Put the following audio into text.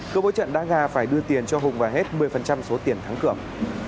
cứu bối trận đá gà phải đưa tiền cho hùng và hết một mươi số tiền thắng cưỡng